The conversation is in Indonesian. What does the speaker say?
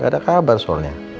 gak ada kabar soalnya